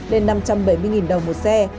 lên năm trăm bảy mươi đồng một xe